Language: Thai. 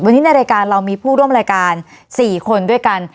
วันนี้ในรายการเรามีผู้ร่วมรายการ๔คนด้วยกัน